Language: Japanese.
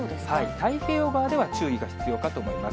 太平洋側では注意が必要かと思います。